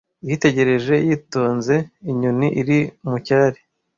Yitegereje yitonze inyoni iri mu cyari.